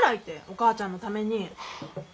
お母ちゃんのために。